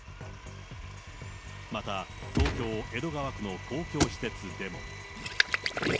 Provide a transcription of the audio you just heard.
また、東京・江戸川区の公共施設でも。